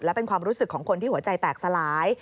และเป็นความรู้สึกของคนที่หัวใจแตกสลาย